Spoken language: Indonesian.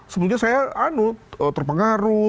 sebetulnya saya anut terpengaruh